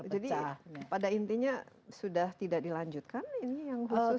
jadi pada intinya sudah tidak dilanjutkan ini yang khusus